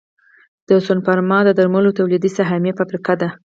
سنوفارما د درملو تولیدي سهامي فابریکه ده